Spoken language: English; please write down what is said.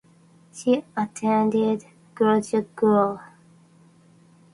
She attended Goucher College.